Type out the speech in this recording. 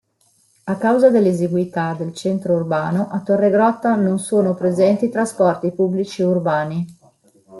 A causa dell'esiguità del centro urbano, a Torregrotta non sono presenti trasporti pubblici urbani.